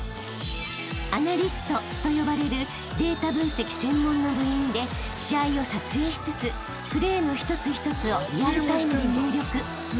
［アナリストと呼ばれるデータ分析専門の部員で試合を撮影しつつプレーの一つ一つをリアルタイムで入力］